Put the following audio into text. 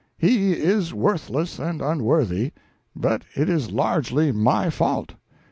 He is worthless and unworthy, but it is largely my fault.